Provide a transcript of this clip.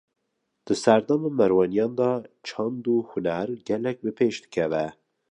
Di serdema Merwaniyan de çand û huner, gelek bi pêş dikeve